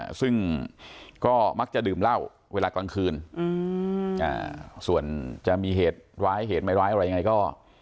อ่าซึ่งก็มักจะดื่มเหล้าเวลากลางคืนอืมอ่าส่วนจะมีเหตุร้ายเหตุไม่ร้ายอะไรยังไงก็